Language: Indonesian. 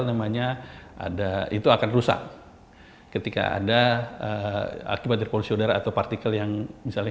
namanya ada itu akan rusak ketika ada akibat repulsio darah atau partikel yang misalnya